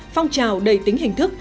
phong trào đầy tính hình thức